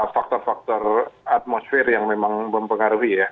faktor faktor atmosfer yang memang mempengaruhi ya